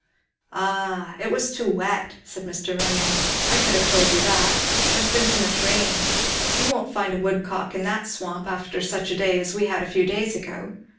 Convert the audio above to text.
"Ah, it was too wet," said Mr. Ringgan. "I could have told you that. There has been too much rain. You wouldn't find a woodcock in that swamp after such a day as we had a few days ago.